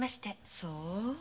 そう。